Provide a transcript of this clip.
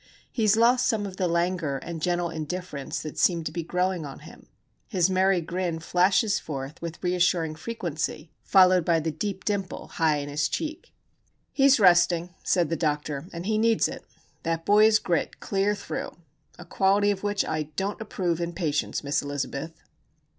He has lost some of the languor and gentle indifference that seemed to be growing on him. His merry grin flashes forth with reassuring frequency, followed by the deep dimple high in his cheek. "He is resting," said the doctor, "and he needs it. That boy is grit clear through,—a quality of which I don't approve in patients, Miss Elizabeth."